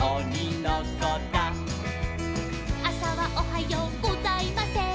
「あさはおはようございません」